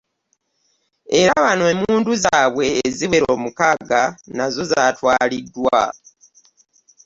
Era bano emmundu zaabwe eziwera mukaaga nazo zitwaliddwa.